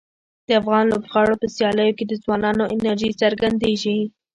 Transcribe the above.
د افغان لوبغاړو په سیالیو کې د ځوانانو انرژي څرګندیږي.